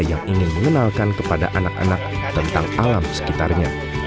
yang ingin mengenalkan kepada anak anak tentang alam sekitarnya